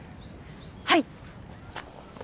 はい！